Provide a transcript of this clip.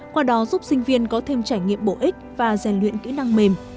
qua đó giúp sinh viên có thêm trải nghiệm bổ ích và rèn luyện kỹ năng mềm